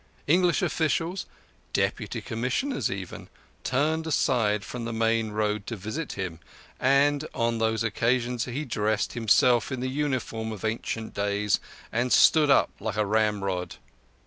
English officials—Deputy Commissioners even—turned aside from the main road to visit him, and on those occasions he dressed himself in the uniform of ancient days, and stood up like a ramrod.